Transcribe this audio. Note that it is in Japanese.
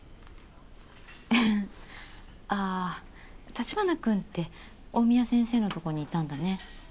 フフッあ橘くんってオーミヤ先生のとこにいたんだね。